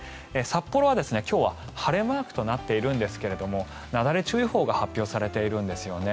札幌は今日は晴れマークとなっているんですがなだれ注意報が発表されているんです。